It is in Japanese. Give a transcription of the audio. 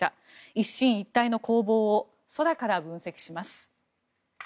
一進一退の攻防を空から分析します。